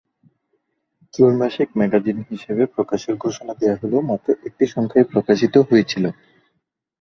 ত্রৈমাসিক ম্যাগাজিন হিসেবে প্রকাশের ঘোষণা দেয়া হলেও মাত্র একটি সংখ্যাই প্রকাশিত হয়েছিল।